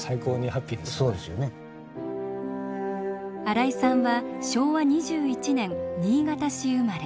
新井さんは昭和２１年新潟市生まれ。